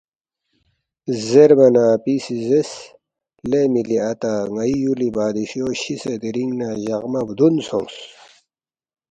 زیربا نہ اپی سی زیرس، ”لے مِلی اتا ن٘ئی یُولی بادشو شِسے دِرِنگ نہ جقما بدُون سونگس